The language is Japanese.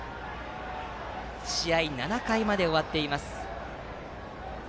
試合は７回まで終わっています。